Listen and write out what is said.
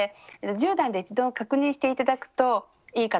１０段で一度確認して頂くといいかと思います。